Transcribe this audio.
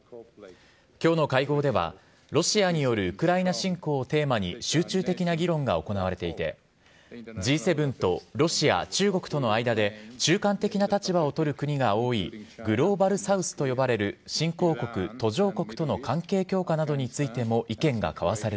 きょうの会合では、ロシアによるウクライナ侵攻をテーマに集中的な議論が行われていて、Ｇ７とロシア、中国との間で中間的な立場を取る国が多い、グローバルサウスと呼ばれる新興国、速報です。